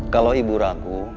kalau ibu ragu